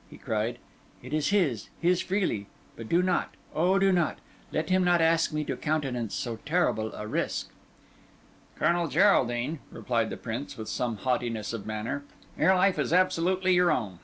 he cried. "It is his—his freely; but do not, O do not! let him ask me to countenance so terrible a risk." "Colonel Geraldine," replied the Prince, with some haughtiness of manner, "your life is absolutely your own.